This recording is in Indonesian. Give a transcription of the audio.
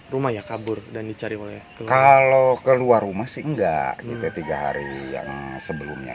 rumah ya kabur dan dicari oleh kalau keluar rumah sih enggak gitu tiga hari yang sebelumnya